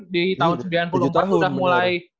di tahun seribu sembilan ratus sembilan puluh empat udah mulai